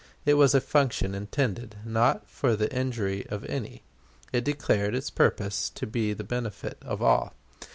It was a function intended not for the injury of any. It declared its purpose to be the benefit of all.